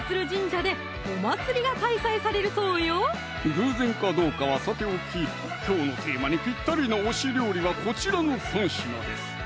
偶然かどうかはさておききょうのテーマにぴったりな推し料理はこちらの３品です